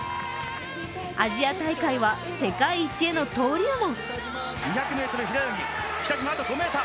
アジア大会は世界一への登竜門。